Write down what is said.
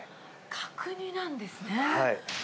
角煮なんですね。